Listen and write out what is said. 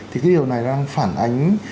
thì điều này đang phản ánh